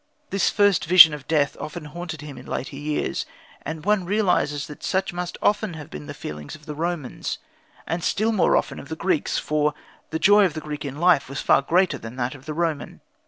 This first vision of death often haunted him in later years; and one realizes that such must often have been the feelings of the Romans, and still more often of the Greeks, for the joy of the Greek in life was far greater than that of the Roman.